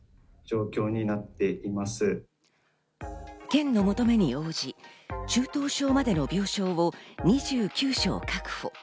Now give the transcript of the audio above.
県の求めに応じ、中等症までの病床を２９床確保。